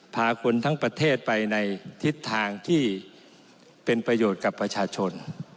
พาคนทั้งประเทศไปในทิศทางที่เป็นประโยชน์กับประชาชน